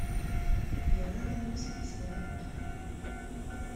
Yerra iman-is ur d-yesli ara akk.